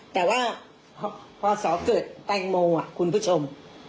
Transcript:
แต่ว่าพอสอเกิดแตงโมคุณผู้ชม